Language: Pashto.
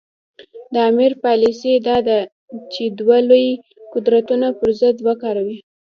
د امیر پالیسي دا ده چې دوه لوی قدرتونه پر ضد وکاروي.